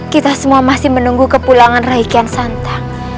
kita semua masih menunggu kepulangan rai kian santa